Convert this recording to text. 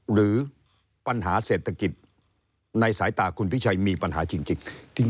หรือปัญหาเศรษฐกิจในสายตาคุณพิชัยมีปัญหาจริง